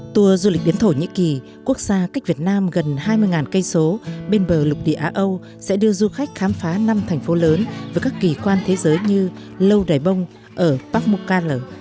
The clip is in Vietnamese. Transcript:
tour du lịch đến thổ nhĩ kỳ quốc gia cách việt nam gần hai mươi km bên bờ lục địa á âu sẽ đưa du khách khám phá năm thành phố lớn với các kỳ quan thế giới như lâu đài bông ở parkmukala